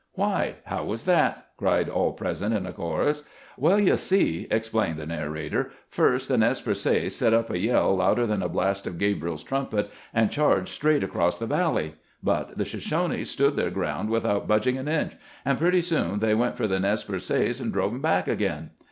"Why, how was that?" cried all present in a chorus. " Well, you see," explained the narrator, " first the Nez Perces set up a yell louder than a blast of Gabriel's trumpet, and charged straight across the valley ; but the Shoshonees stood their ground without budging an inch, and pretty soon they went for the Nez Percys and drove 'em back again.